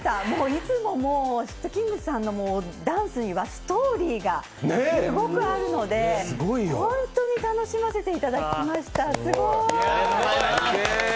いつもｓ＊＊ｔｋｉｎｇｚさんのダンスにはストーリーがすごくあるので本当に楽しませていただきました、すごーい。